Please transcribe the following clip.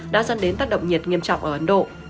đã dẫn đến tác động nhiệt nghiêm trọng ở ấn độ